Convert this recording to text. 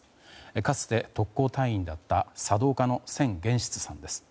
かつて特攻隊員だった茶道家の千玄室さんです。